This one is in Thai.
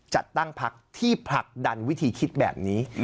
จัดตั้งพักที่ผลักดันวิธีคิดแบบนี้